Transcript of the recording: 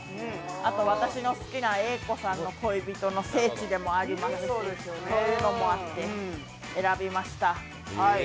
あと、私の好きな「Ａ子さんの恋人」の聖地でもありますし、そういうのもあって選びました。